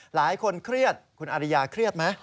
หลายคนเครียดคุณอริยาเครียดไหม